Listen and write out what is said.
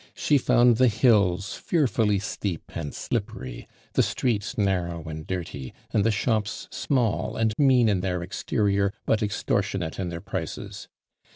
She found the hills fearfully steep and slippery — the streets narrow and dirty, and the shops small and mean in their exterior but extortionate in their prices.